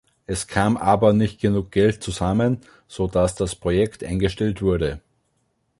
Es kam aber nicht genug Geld zusammen, sodass das Projekt eingestellt wurde.